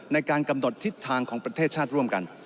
ในการกำหนดทิศทางของประเทศชาติร่วมกัน